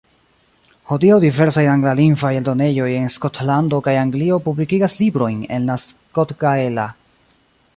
Hodiaŭ diversaj anglalingvaj eldonejoj en Skotlando kaj Anglio publikigas librojn en la skotgaela.